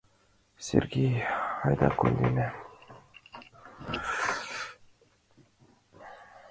Сергей, айда, кондена.